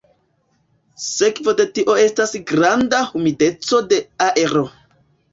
Sekvo de tio estas granda humideco de aero.